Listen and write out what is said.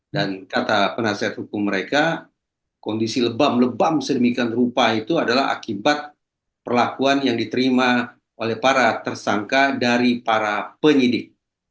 dan kata penasehat hukum mereka kondisi lebam lebam sedemikian rupa itu adalah akibat perlakuan yang diterima oleh para tersangka dari para penyidik